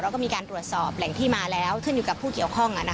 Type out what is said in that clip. เราก็มีการตรวจสอบแหล่งที่มาแล้วที่มีกับผู้เกี่ยวข้อง